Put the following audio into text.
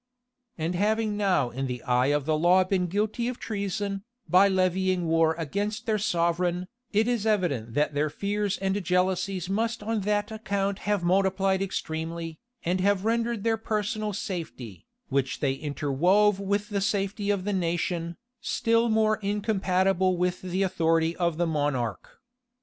And having now in the eye of the law been guilty of treason, by levying war against their sovereign, it is evident that their fears and jealousies must on that account have multiplied extremely, and have rendered their personal safety, which they interwove with the safety of the nation, still more incompatible with the authority of the monarch.